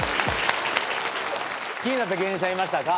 気になった芸人さんいましたか？